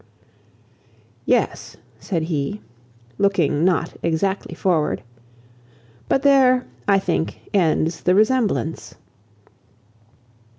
"Yes," said he, looking not exactly forward; "but there, I think, ends the resemblance.